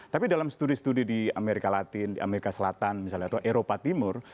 tapi dalam studi studi di amerika latin di amerika selatan misalnya atau eropa timur